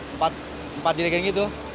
empat empat dirising gitu